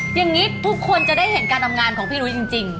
อย่างนี้ทุกคนจะได้เห็นการทำงานของพี่นุ้ยจริง